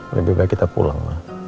lebih baik kita pulang